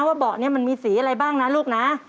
ว่าเบาะนี้มันมีสีอะไรบ้างนะลูกนะ